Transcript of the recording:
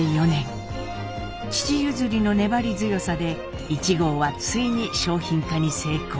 父譲りの粘り強さで壹号はついに商品化に成功。